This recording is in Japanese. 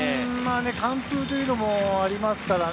完封というのもありますからね。